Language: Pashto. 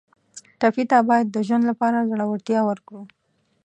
ټپي ته باید د ژوند لپاره زړورتیا ورکړو.